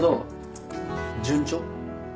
順調？